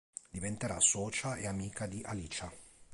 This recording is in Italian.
Diventerà socia e amica di Alicia.